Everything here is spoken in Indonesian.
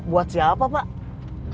buat siapa pak